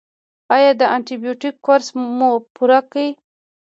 ایا د انټي بیوټیک کورس مو پوره کړی؟